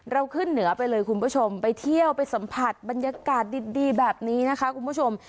ขึ้นเหนือไปเลยคุณผู้ชมไปเที่ยวไปสัมผัสบรรยากาศดีแบบนี้นะคะคุณผู้ชม